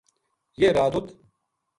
یہ رات اُ